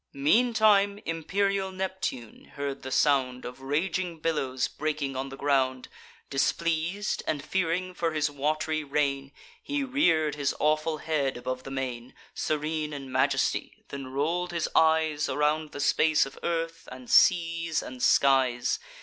Meantime imperial Neptune heard the sound Of raging billows breaking on the ground. Displeas'd, and fearing for his wat'ry reign, He rear'd his awful head above the main, Serene in majesty; then roll'd his eyes Around the space of earth, and seas, and skies.